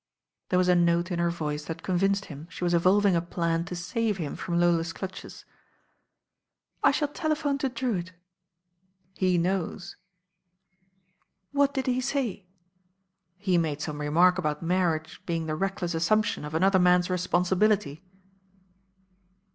There was a note in her voice that convinced him she was evolving a plan to save him from Lola's clutches. "I shall telephone to Drewitt.'* "He knows." "What did he say?" "He made some remark about marriage being the reckless assumption of another man's responsibility."